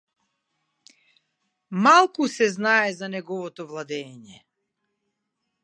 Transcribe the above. Малку се знае за неговото владеење.